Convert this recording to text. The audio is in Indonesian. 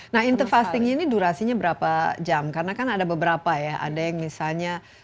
nah interfastingnya ini durasinya berapa jam karena kan ada beberapa ya ada yang misalnya